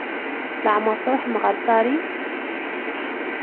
Leɛmeṛ Tṛuḥem ɣer Paris?